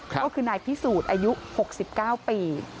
ก็คือนายพิสูจน์อายุ๖๙ปี